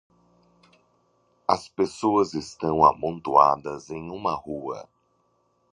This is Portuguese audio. As pessoas estão amontoadas em uma rua.